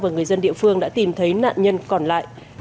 và người dân địa phương đã tìm thấy nạn nhân còn lại